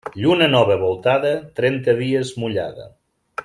Lluna nova voltada, trenta dies mullada.